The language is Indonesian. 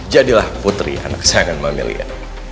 jadilah putri anak kesayangan mami lia